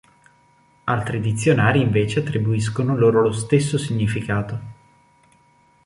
Altri dizionari invece attribuiscono loro lo stesso significato.